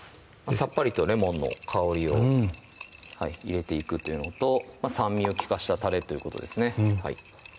さっぱりとレモンの香りを入れていくっていうのと酸味を利かしたたれということですね